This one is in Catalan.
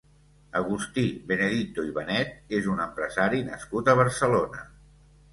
Agustí Benedito i Benet és un empresari nascut a Barcelona.